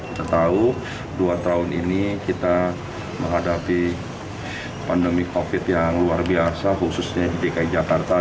kita tahu dua tahun ini kita menghadapi pandemi covid yang luar biasa khususnya di dki jakarta